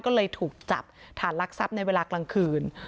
ก็เลยถูกจับฐานลักทรัพย์ในเวลากลางคืน